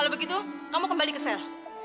kalau begitu kamu kembali ke sel